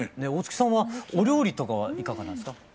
大月さんはお料理とかはいかがなんですか？